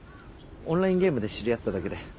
オンラインゲームで知り合っただけで。